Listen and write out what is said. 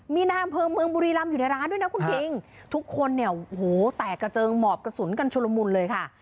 มีนายอำเภอเมืองบุรีรำอยู่ในร้านด้วยนะคุณคิงทุกคนเนี่ยโอ้โหแตกกระเจิงหมอบกระสุนกันชุลมุนเลยค่ะ